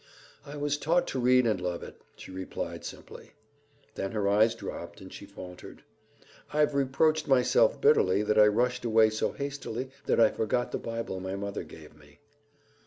"I was taught to read and love it," she replied simply. Then her eyes dropped and she faltered, "I've reproached myself bitterly that I rushed away so hastily that I forgot the Bible my mother gave me."